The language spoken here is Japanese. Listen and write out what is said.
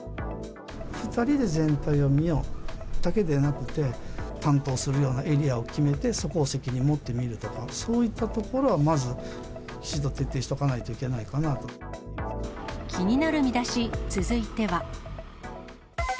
２人で全体を見ようだけでなくて、担当するようなエリアを決めて、そこを責任を持って見るとか、そういったところはまずきちんと徹底しておかないといけないかな気になるミダシ、続いては。